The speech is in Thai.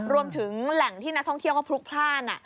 รวมถึงแหล่งที่นักท่องเที่ยวก็พลุกพลาด